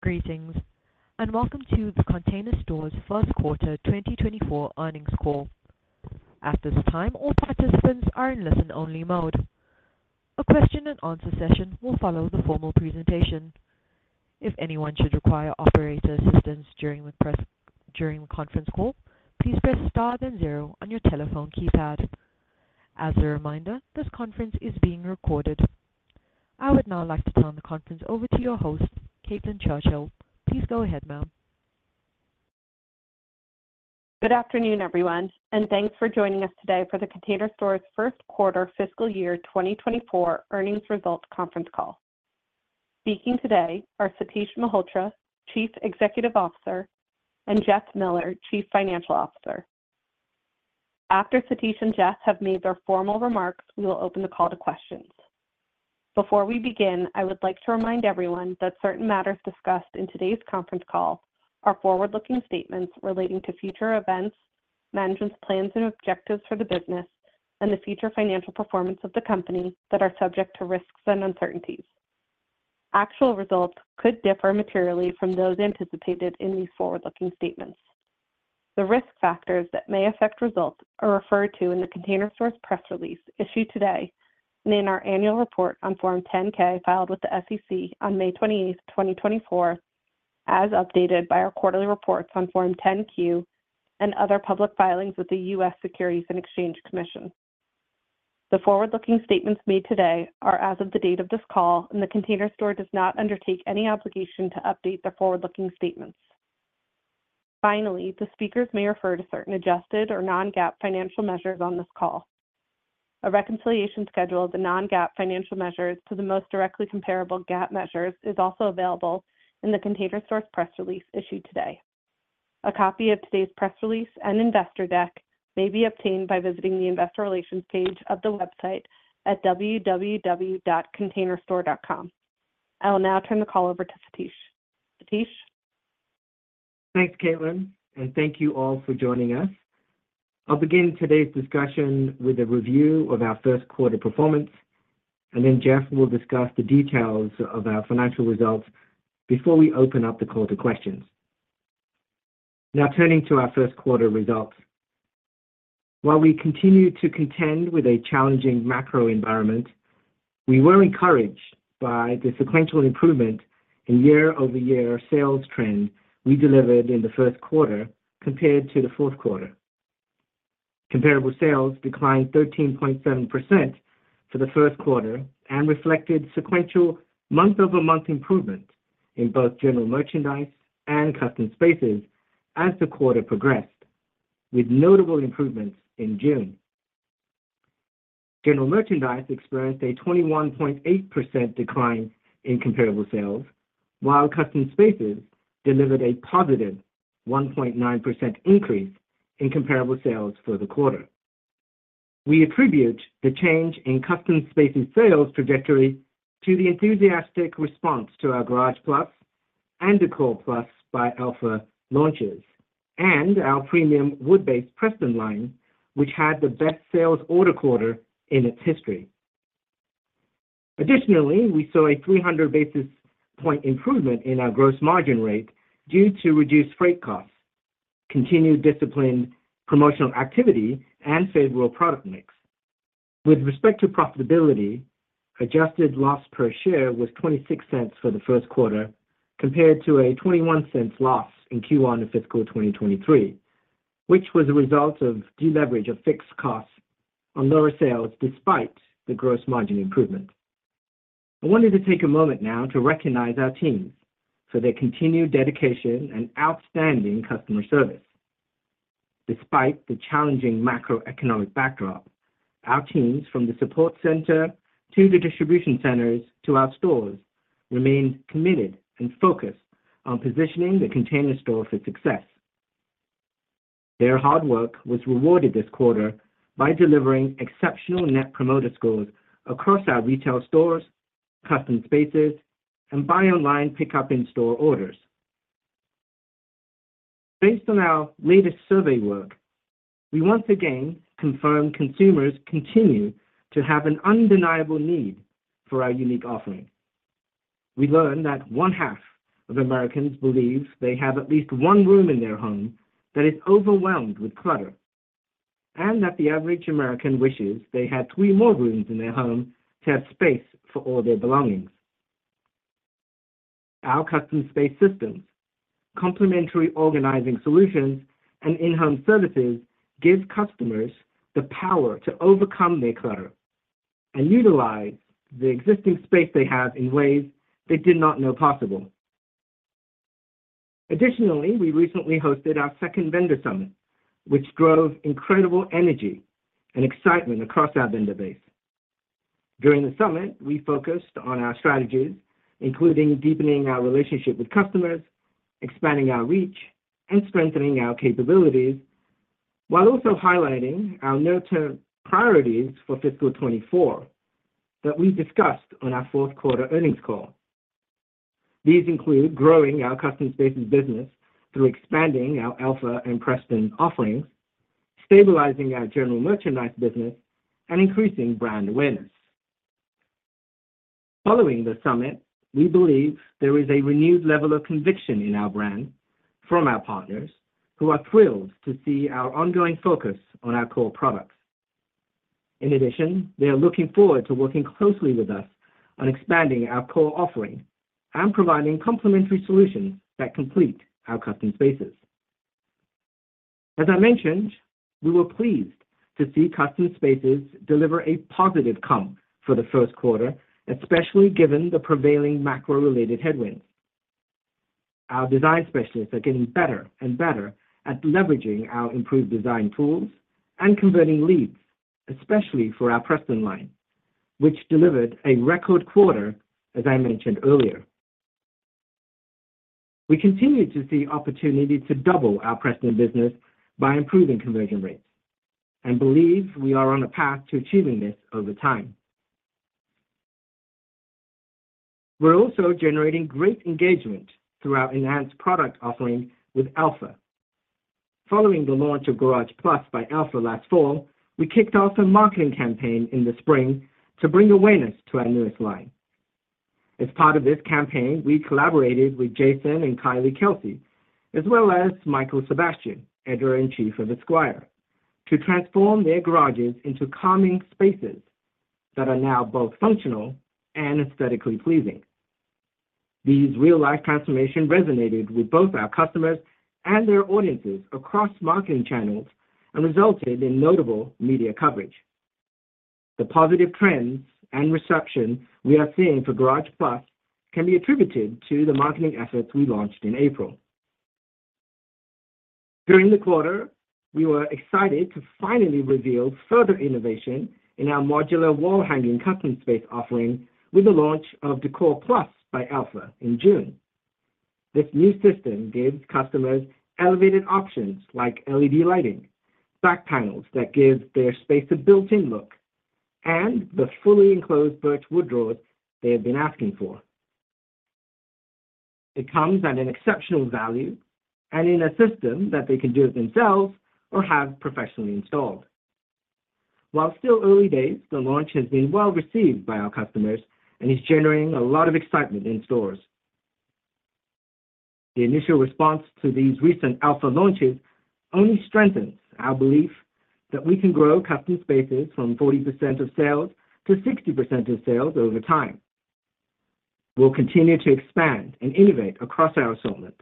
Greetings, and welcome to The Container Store's first quarter 2024 earnings call. At this time, all participants are in listen-only mode. A question and answer session will follow the formal presentation. If anyone should require operator assistance during the conference call, please press star then zero on your telephone keypad. As a reminder, this conference is being recorded. I would now like to turn the conference over to your host, Caitlin Churchill. Please go ahead, ma'am. Good afternoon, everyone, and thanks for joining us today for The Container Store's first quarter fiscal year 2024 earnings results conference call. Speaking today are Satish Malhotra, Chief Executive Officer, and Jeff Miller, Chief Financial Officer. After Satish and Jeff have made their formal remarks, we will open the call to questions. Before we begin, I would like to remind everyone that certain matters discussed in today's conference call are forward-looking statements relating to future events, management's plans and objectives for the business, and the future financial performance of the company that are subject to risks and uncertainties. Actual results could differ materially from those anticipated in these forward-looking statements. The risk factors that may affect results are referred to in The Container Store's press release issued today and in our annual report on Form 10-K, filed with the SEC on May 28th, 2024, as updated by our quarterly reports on Form 10-Q and other public filings with the U.S. Securities and Exchange Commission. The forward-looking statements made today are as of the date of this call, and The Container Store does not undertake any obligation to update the forward-looking statements. Finally, the speakers may refer to certain adjusted or non-GAAP financial measures on this call. A reconciliation schedule of the non-GAAP financial measures to the most directly comparable GAAP measures is also available in The Container Store's press release issued today. A copy of today's press release and investor deck may be obtained by visiting the investor relations page of the website at www.containerstore.com. I will now turn the call over to Satish. Satish? Thanks, Caitlin, and thank you all for joining us. I'll begin today's discussion with a review of our first quarter performance, and then Jeff will discuss the details of our financial results before we open up the call to questions. Now, turning to our first quarter results. While we continued to contend with a challenging macro environment, we were encouraged by the sequential improvement in year-over-year sales trend we delivered in the first quarter compared to the fourth quarter. Comparable sales declined 13.7% for the first quarter and reflected sequential month-over-month improvement in both general merchandise and Custom Spaces as the quarter progressed, with notable improvements in June. General merchandise experienced a 21.8% decline in comparable sales, while Custom Spaces delivered a positive 1.9% increase in comparable sales for the quarter. We attribute the change in Custom Spaces sales trajectory to the enthusiastic response to our Garage+ by Elfa and Décor+ by Elfa launches and our premium wood-based Preston line, which had the best sales order quarter in its history. Additionally, we saw a 300 basis point improvement in our gross margin rate due to reduced freight costs, continued disciplined promotional activity, and favorable product mix. With respect to profitability, adjusted loss per share was $0.26 for the first quarter, compared to a $0.21 loss in Q1 of fiscal 2023, which was a result of deleverage of fixed costs on lower sales despite the gross margin improvement. I wanted to take a moment now to recognize our teams for their continued dedication and outstanding customer service. Despite the challenging macroeconomic backdrop, our teams, from the support center to the distribution centers to our stores, remained committed and focused on positioning The Container Store for success. Their hard work was rewarded this quarter by delivering exceptional Net Promoter Scores across our retail stores, Custom Spaces, and buy online, pickup in store orders. Based on our latest survey work, we once again confirm consumers continue to have an undeniable need for our unique offering. We learned that one half of Americans believe they have at least one room in their home that is overwhelmed with clutter, and that the average American wishes they had three more rooms in their home to have space for all their belongings. Our custom space systems, complimentary organizing solutions, and in-home services give customers the power to overcome their clutter and utilize the existing space they have in ways they did not know possible. Additionally, we recently hosted our second vendor summit, which drove incredible energy and excitement across our vendor base. During the summit, we focused on our strategies, including deepening our relationship with customers, expanding our reach, and strengthening our capabilities, while also highlighting our near-term priorities for fiscal 2024 that we discussed on our fourth quarter earnings call. These include growing our Custom Spaces business through expanding our Elfa and Preston offerings, stabilizing our general merchandise business, and increasing brand awareness. Following the summit, we believe there is a renewed level of conviction in our brand from our partners, who are thrilled to see our ongoing focus on our core products. In addition, they are looking forward to working closely with us on expanding our core offering and providing complementary solutions that complete our Custom Spaces. As I mentioned, we were pleased to see Custom Spaces deliver a positive comp for the first quarter, especially given the prevailing macro-related headwinds. Our design specialists are getting better and better at leveraging our improved design tools and converting leads, especially for our Preston line, which delivered a record quarter, as I mentioned earlier. We continue to see opportunity to double our Preston business by improving conversion rates, and believe we are on a path to achieving this over time. We're also generating great engagement through our enhanced product offering with Elfa. Following the launch of Garage+ by Elfa last fall, we kicked off a marketing campaign in the spring to bring awareness to our newest line. As part of this campaign, we collaborated with Jason and Kylie Kelce, as well as Michael Sebastian, editor-in-chief of Esquire, to transform their garages into calming spaces that are now both functional and aesthetically pleasing. These real-life transformation resonated with both our customers and their audiences across marketing channels and resulted in notable media coverage. The positive trends and reception we are seeing for Garage +can be attributed to the marketing efforts we launched in April. During the quarter, we were excited to finally reveal further innovation in our modular wall-hanging Custom Space offering with the launch of Décor+ by Elfa in June. This new system gives customers elevated options like LED lighting, back panels that give their space a built-in look, and the fully enclosed birch wood drawers they have been asking for. It comes at an exceptional value and in a system that they can do it themselves or have professionally installed. While still early days, the launch has been well received by our customers and is generating a lot of excitement in stores. The initial response to these recent Elfa launches only strengthens our belief that we can grow Custom Spaces from 40% of sales to 60% of sales over time. We'll continue to expand and innovate across our assortment,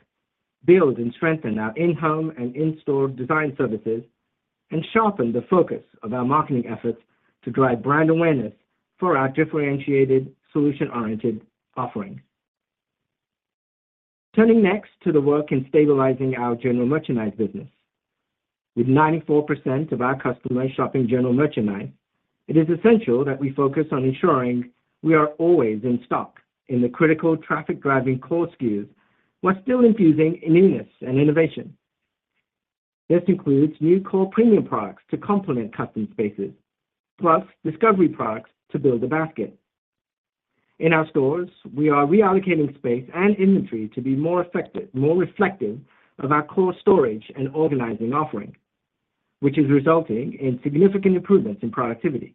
build and strengthen our in-home and in-store design services, and sharpen the focus of our marketing efforts to drive brand awareness for our differentiated, solution-oriented offerings. Turning next to the work in stabilizing our general merchandise business. With 94% of our customers shopping general merchandise, it is essential that we focus on ensuring we are always in stock in the critical traffic-driving core SKUs, while still infusing newness and innovation. This includes new core premium products to complement Custom Spaces, plus Discovery products to build a basket. In our stores, we are reallocating space and inventory to be more effective, more reflective of our core storage and organizing offering, which is resulting in significant improvements in productivity.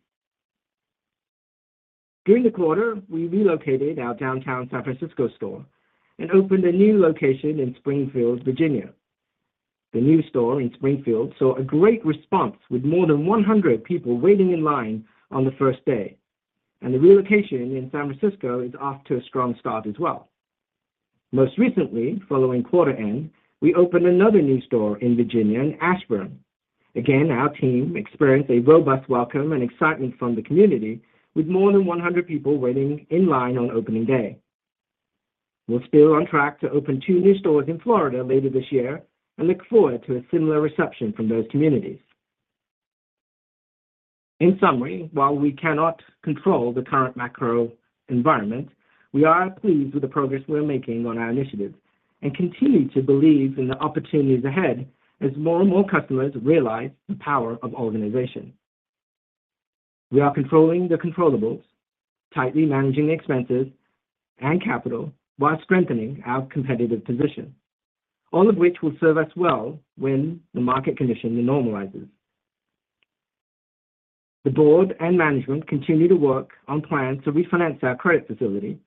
During the quarter, we relocated our downtown San Francisco store and opened a new location in Springfield, Virginia. The new store in Springfield saw a great response, with more than 100 people waiting in line on the first day, and the relocation in San Francisco is off to a strong start as well. Most recently, following quarter end, we opened another new store in Virginia, in Ashburn. Again, our team experienced a robust welcome and excitement from the community, with more than 100 people waiting in line on opening day. We're still on track to open two new stores in Florida later this year and look forward to a similar reception from those communities. In summary, while we cannot control the current macro environment, we are pleased with the progress we are making on our initiatives and continue to believe in the opportunities ahead as more and more customers realize the power of organization. We are controlling the controllables, tightly managing expenses and capital, while strengthening our competitive position, all of which will serve us well when the market condition normalizes. The board and management continue to work on plans to refinance our credit facility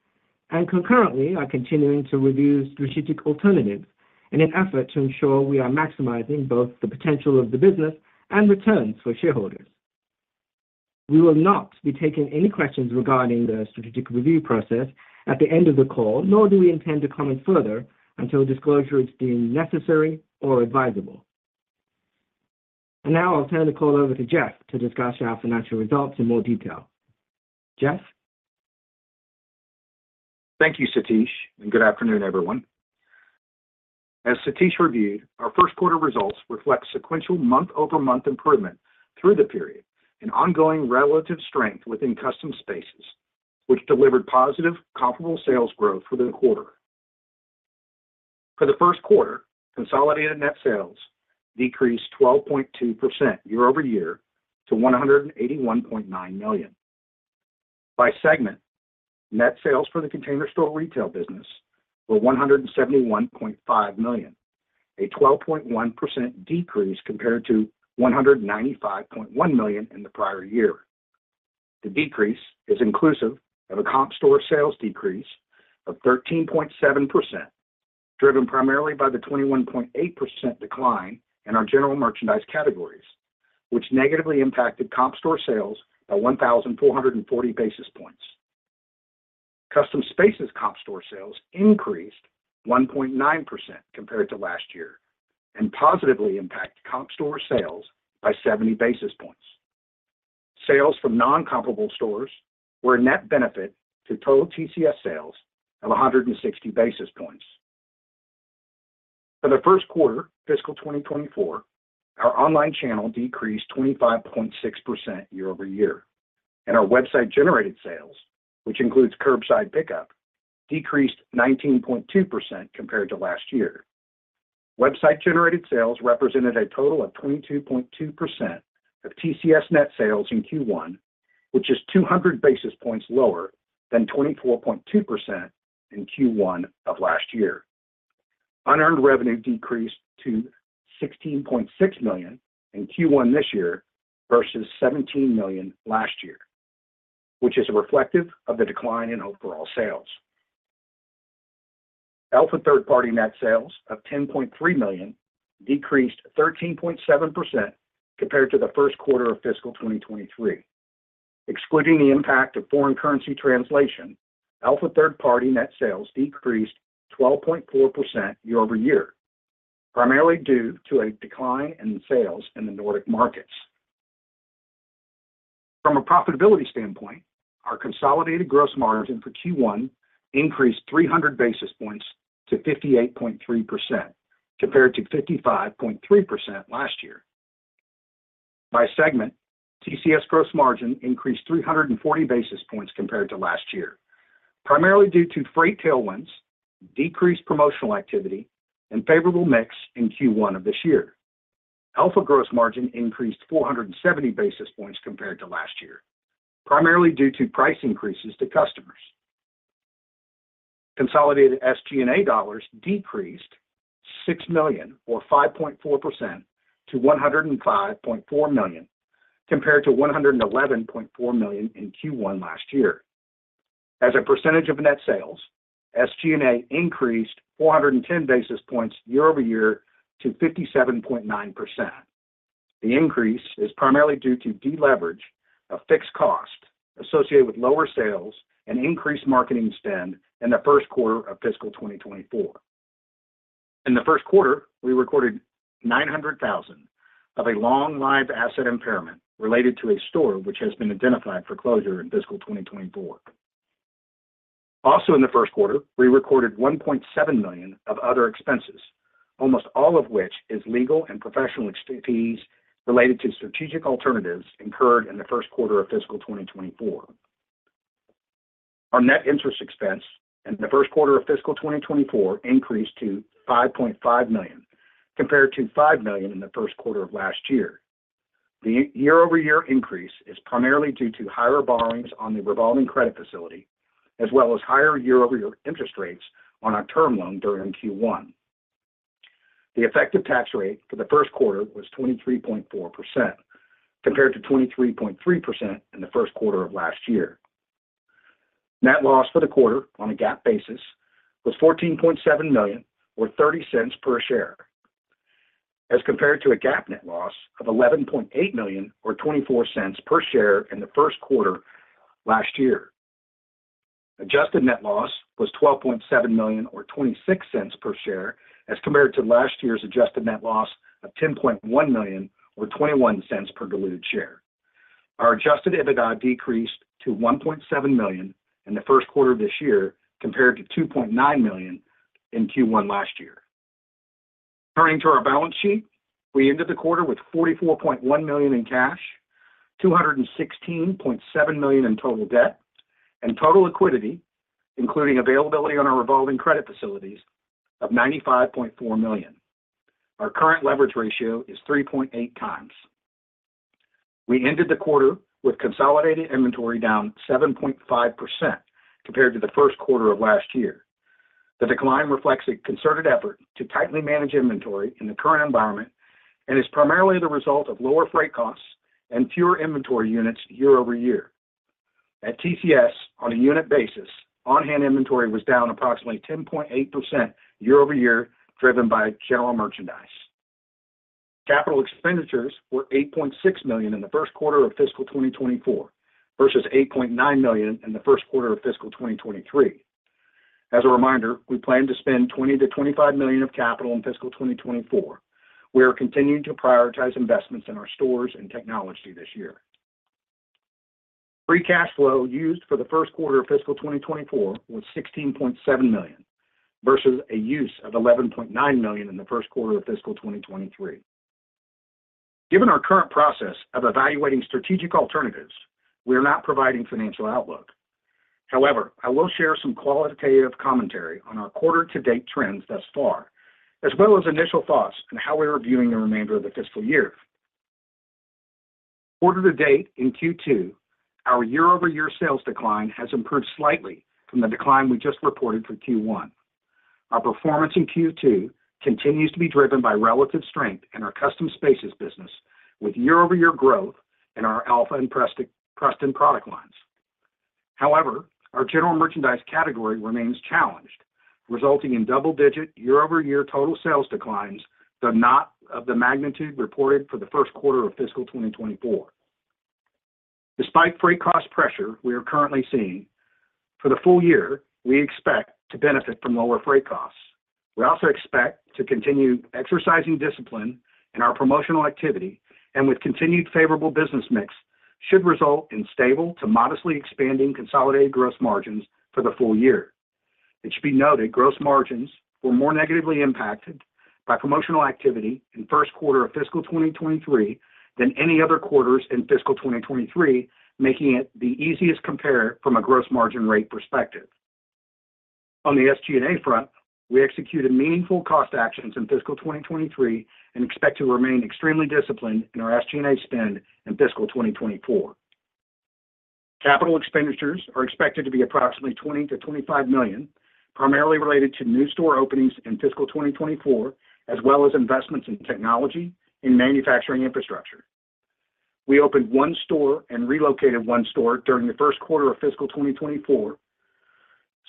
and concurrently are continuing to review strategic alternatives in an effort to ensure we are maximizing both the potential of the business and returns for shareholders. We will not be taking any questions regarding the strategic review process at the end of the call, nor do we intend to comment further until disclosure is deemed necessary or advisable. And now I'll turn the call over to Jeff to discuss our financial results in more detail. Jeff? Thank you, Satish, and good afternoon, everyone. As Satish reviewed, our first quarter results reflect sequential month-over-month improvement through the period and ongoing relative strength within Custom Spaces, which delivered positive comparable sales growth for the quarter. For the first quarter, consolidated net sales decreased 12.2% year-over-year to $181.9 million. By segment, net sales for The Container Store retail business were $171.5 million, a 12.1% decrease compared to $195.1 million in the prior year. The decrease is inclusive of a comp store sales decrease of 13.7%, driven primarily by the 21.8% decline in our general merchandise categories, which negatively impacted comp store sales by 1,440 basis points. Custom Spaces comp store sales increased 1.9% compared to last year and positively impacted comp store sales by 70 basis points. Sales from non-comparable stores were a net benefit to total TCS sales of 160 basis points. For the first quarter, fiscal 2024, our online channel decreased 25.6% year-over-year, and our website-generated sales, which includes curbside pickup, decreased 19.2% compared to last year. Website-generated sales represented a total of 22.2% of TCS net sales in Q1, which is 200 basis points lower than 24.2% in Q1 of last year. Unearned revenue decreased to $16.6 million in Q1 this year versus $17 million last year, which is reflective of the decline in overall sales. Elfa Third Party net sales of $10.3 million decreased 13.7% compared to the first quarter of fiscal 2023. Excluding the impact of foreign currency translation, Elfa Third Party net sales decreased 12.4% year-over-year, primarily due to a decline in sales in the Nordic markets. From a profitability standpoint, our consolidated gross margin for Q1 increased 300 basis points to 58.3%, compared to 55.3% last year. By segment, TCS gross margin increased 340 basis points compared to last year, primarily due to freight tailwinds, decreased promotional activity, and favorable mix in Q1 of this year. Elfa gross margin increased 470 basis points compared to last year, primarily due to price increases to customers. Consolidated SG&A dollars decreased $6 million, or 5.4%, to $105.4 million, compared to $111.4 million in Q1 last year. As a percentage of net sales, SG&A increased 410 basis points year-over-year to 57.9%. The increase is primarily due to deleverage of fixed cost associated with lower sales and increased marketing spend in the first quarter of fiscal 2024. In the first quarter, we recorded $900,000 of a long-lived asset impairment related to a store which has been identified for closure in fiscal 2024. Also in the first quarter, we recorded $1.7 million of other expenses, almost all of which is legal and professional fees related to strategic alternatives incurred in the first quarter of fiscal 2024. Our net interest expense in the first quarter of fiscal 2024 increased to $5.5 million, compared to $5 million in the first quarter of last year. The year-over-year increase is primarily due to higher borrowings on the revolving credit facility, as well as higher year-over-year interest rates on our term loan during Q1. The effective tax rate for the first quarter was 23.4%, compared to 23.3% in the first quarter of last year. Net loss for the quarter on a GAAP basis was $14.7 million, or $0.30 per share, as compared to a GAAP net loss of $11.8 million, or $0.24 per share in the first quarter last year. Adjusted net loss was $12.7 million, or $0.26 per share, as compared to last year's adjusted net loss of $10.1 million, or $0.21 per diluted share. Our Adjusted EBITDA decreased to $1.7 million in the first quarter of this year, compared to $2.9 million in Q1 last year. Turning to our balance sheet, we ended the quarter with $44.1 million in cash, $216.7 million in total debt, and total liquidity, including availability on our revolving credit facilities of $95.4 million. Our current leverage ratio is 3.8 times. We ended the quarter with consolidated inventory down 7.5% compared to the first quarter of last year. The decline reflects a concerted effort to tightly manage inventory in the current environment and is primarily the result of lower freight costs and fewer inventory units year over year. At TCS, on a unit basis, on-hand inventory was down approximately 10.8% year over year, driven by general merchandise. Capital expenditures were $8.6 million in the first quarter of fiscal 2024, versus $8.9 million in the first quarter of fiscal 2023. As a reminder, we plan to spend $20 million-$25 million of capital in fiscal 2024. We are continuing to prioritize investments in our stores and technology this year. Free cash flow used for the first quarter of fiscal 2024 was $16.7 million, versus a use of $11.9 million in the first quarter of fiscal 2023. Given our current process of evaluating strategic alternatives, we are not providing financial outlook. However, I will share some qualitative commentary on our quarter to date trends thus far, as well as initial thoughts on how we are viewing the remainder of the fiscal year. Quarter to date in Q2, our year-over-year sales decline has improved slightly from the decline we just reported for Q1. Our performance in Q2 continues to be driven by relative strength in our Custom Spaces business, with year-over-year growth in our Elfa and Preston product lines. However, our general merchandise category remains challenged, resulting in double-digit year-over-year total sales declines, though not of the magnitude reported for the first quarter of fiscal 2024. Despite freight cost pressure we are currently seeing, for the full year, we expect to benefit from lower freight costs. We also expect to continue exercising discipline in our promotional activity and with continued favorable business mix, should result in stable to modestly expanding consolidated gross margins for the full year. It should be noted: gross margins were more negatively impacted by promotional activity in first quarter of fiscal 2023 than any other quarters in fiscal 2023, making it the easiest compare from a gross margin rate perspective. On the SG&A front, we executed meaningful cost actions in fiscal 2023 and expect to remain extremely disciplined in our SG&A spend in fiscal 2024. Capital expenditures are expected to be approximately $20 million-$25 million, primarily related to new store openings in fiscal 2024, as well as investments in technology and manufacturing infrastructure. We opened one store and relocated one store during the first quarter of fiscal 2024.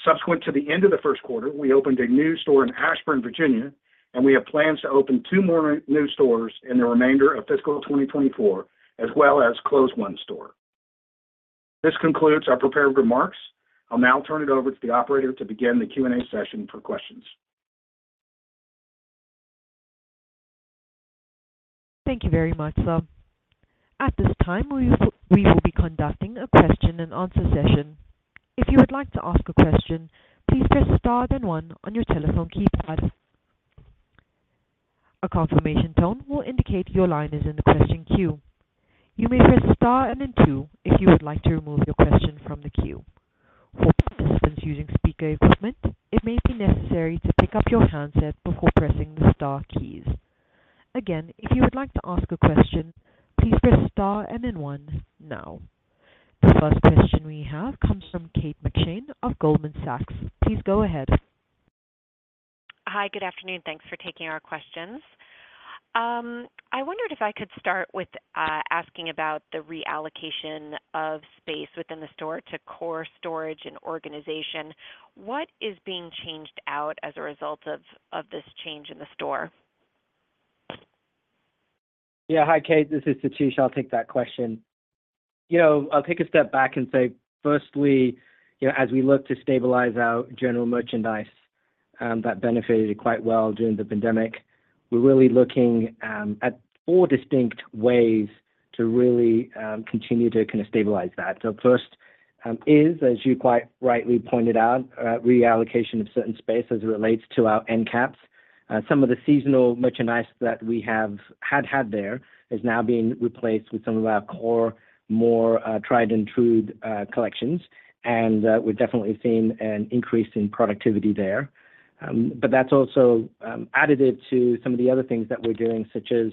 Subsequent to the end of the first quarter, we opened a new store in Ashburn, Virginia, and we have plans to open two more new stores in the remainder of fiscal 2024, as well as close one store. This concludes our prepared remarks. I'll now turn it over to the operator to begin the Q&A session for questions. Thank you very much, sir. At this time, we will be conducting a question and answer session. If you would like to ask a question, please press star, then one on your telephone keypad. A confirmation tone will indicate your line is in the question queue. You may press star and then two if you would like to remove your question from the queue. For participants using speakerphone, it may be necessary to pick up your handset before pressing the star keys. Again, if you would like to ask a question, please press star and then one now. The first question we have comes from Kate McShane of Goldman Sachs. Please go ahead. Hi, good afternoon. Thanks for taking our questions. I wondered if I could start with asking about the reallocation of space within the store to core storage and organization. What is being changed out as a result of this change in the store? Yeah. Hi, Kate, this is Satish. I'll take that question. You know, I'll take a step back and say, firstly, you know, as we look to stabilize our general merchandise, that benefited quite well during the pandemic, we're really looking at 4 distinct ways to really continue to kind of stabilize that. So first, as you quite rightly pointed out, reallocation of certain space as it relates to our end caps. Some of the seasonal merchandise that we had had there is now being replaced with some of our core, more tried and true collections, and we've definitely seen an increase in productivity there. But that's also additive to some of the other things that we're doing, such as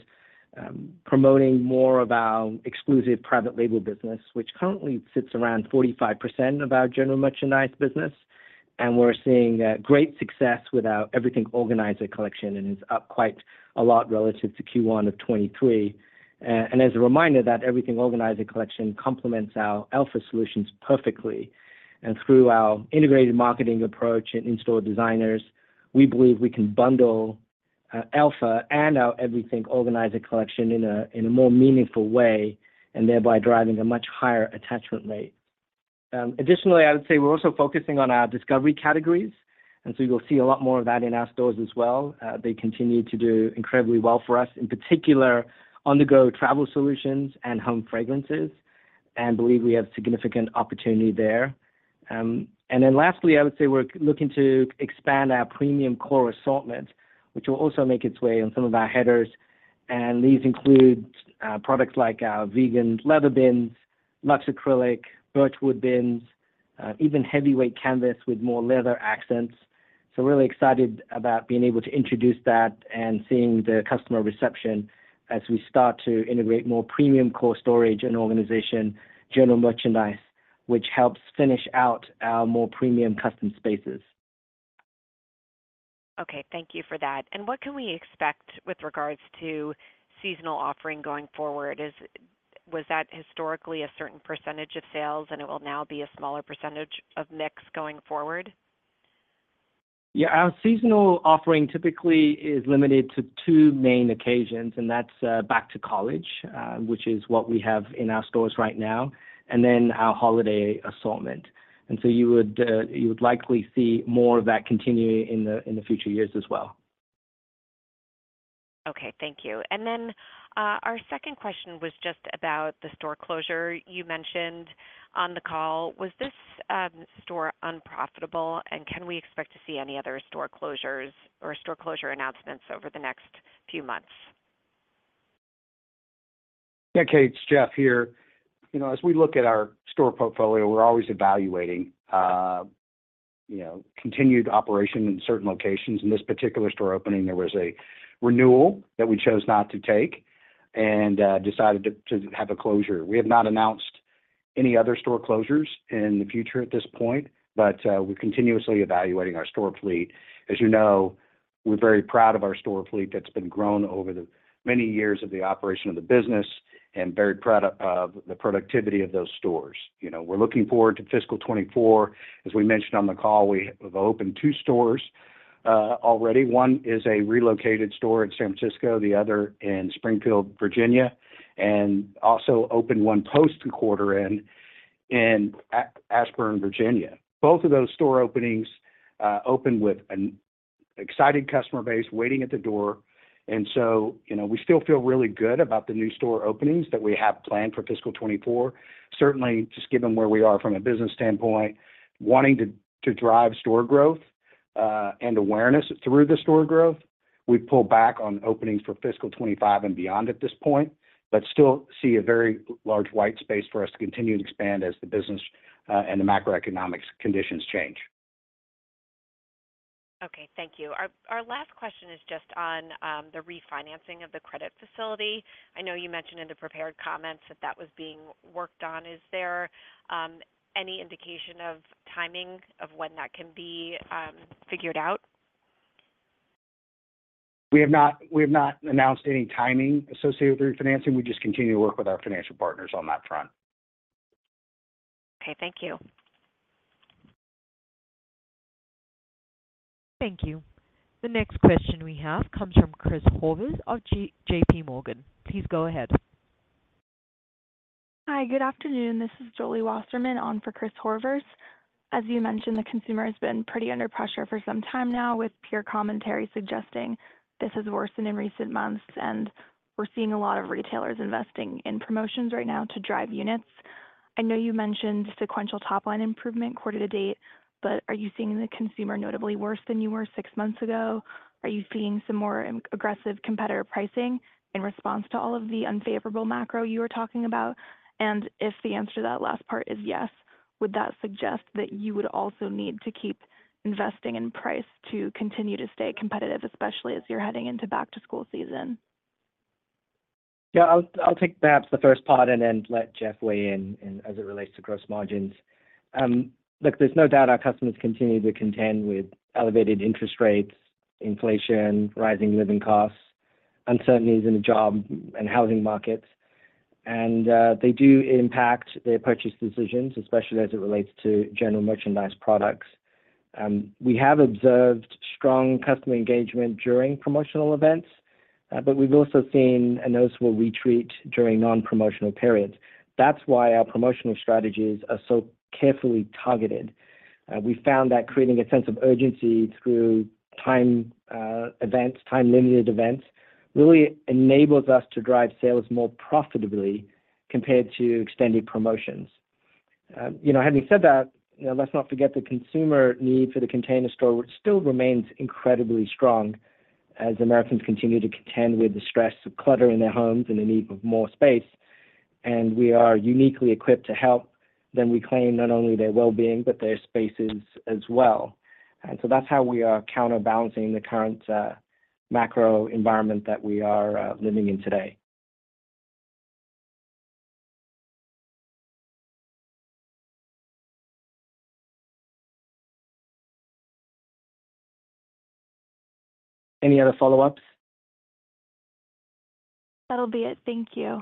promoting more of our exclusive private label business, which currently sits around 45% of our general merchandise business. We're seeing great success with our Everything Organizer collection, and is up quite a lot relative to Q1 of 2023. As a reminder, that Everything Organizer collection complements our Elfa solutions perfectly. Through our integrated marketing approach and in-store designers, we believe we can bundle Elfa and our Everything Organizer collection in a more meaningful way, and thereby driving a much higher attachment rate. Additionally, I would say we're also focusing on our discovery categories, and so you'll see a lot more of that in our stores as well. They continue to do incredibly well for us, in particular, on-the-go travel solutions and home fragrances, and believe we have significant opportunity there. And then lastly, I would say we're looking to expand our premium core assortment, which will also make its way on some of our headers. And these include products like our vegan leather bins, luxe acrylic, birch wood bins, even heavyweight canvas with more leather accents. So we're really excited about being able to introduce that and seeing the customer reception as we start to integrate more premium core storage and organization general merchandise, which helps finish out our more premium Custom Spaces. Okay, thank you for that. What can we expect with regards to seasonal offering going forward? Was that historically a certain percentage of sales, and it will now be a smaller percentage of mix going forward? Yeah. Our seasonal offering typically is limited to two main occasions, and that's, back to college, which is what we have in our stores right now, and then our holiday assortment. And so you would likely see more of that continuing in the future years as well. Okay, thank you. And then, our second question was just about the store closure you mentioned on the call. Was this store unprofitable, and can we expect to see any other store closures or store closure announcements over the next few months? Yeah, Kate, it's Jeff here. You know, as we look at our store portfolio, we're always evaluating, you know, continued operation in certain locations. In this particular store opening, there was a renewal that we chose not to take and decided to have a closure. We have not announced any other store closures in the future at this point, but we're continuously evaluating our store fleet. As you know, we're very proud of our store fleet that's been grown over the many years of the operation of the business, and very proud of the productivity of those stores. You know, we're looking forward to fiscal 2024. As we mentioned on the call, we have opened 2 stores already. One is a relocated store in San Francisco, the other in Springfield, Virginia, and also opened one post quarter in Ashburn, Virginia. Both of those store openings opened with an excited customer base waiting at the door. And so, you know, we still feel really good about the new store openings that we have planned for fiscal 2024. Certainly, just given where we are from a business standpoint, wanting to drive store growth, and awareness through the store growth. We pull back on openings for fiscal 2025 and beyond at this point, but still see a very large white space for us to continue to expand as the business, and the macroeconomics conditions change. Okay. Thank you. Our last question is just on the refinancing of the credit facility. I know you mentioned in the prepared comments that that was being worked on. Is there any indication of timing of when that can be figured out? We have not announced any timing associated with refinancing. We just continue to work with our financial partners on that front. Okay, thank you. Thank you. The next question we have comes from Chris Horvers of J.P. Morgan. Please go ahead. Hi, good afternoon. This is Jolie Wasserman on for Chris Horvers. As you mentioned, the consumer has been pretty under pressure for some time now, with peer commentary suggesting this has worsened in recent months, and we're seeing a lot of retailers investing in promotions right now to drive units. I know you mentioned sequential top-line improvement quarter to date, but are you seeing the consumer notably worse than you were six months ago? Are you seeing some more aggressive competitor pricing in response to all of the unfavorable macro you were talking about? And if the answer to that last part is yes, would that suggest that you would also need to keep investing in price to continue to stay competitive, especially as you're heading into back-to-school season? Yeah, I'll take perhaps the first part and then let Jeff weigh in as it relates to gross margins. Look, there's no doubt our customers continue to contend with elevated interest rates, inflation, rising living costs, uncertainties in the job and housing markets. And they do impact their purchase decisions, especially as it relates to general merchandise products. We have observed strong customer engagement during promotional events, but we've also seen a noticeable retreat during non-promotional periods. That's why our promotional strategies are so carefully targeted. We found that creating a sense of urgency through time-limited events really enables us to drive sales more profitably compared to extended promotions. You know, having said that, you know, let's not forget the consumer need for The Container Store, which still remains incredibly strong as Americans continue to contend with the stress of clutter in their homes and the need of more space, and we are uniquely equipped to help, then we claim not only their well-being but their spaces as well. And so that's how we are counterbalancing the current macro environment that we are living in today. Any other follow-ups? That'll be it. Thank you.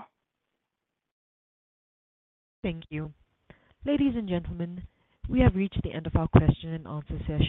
Thank you. Ladies and gentlemen, we have reached the end of our question and answer session.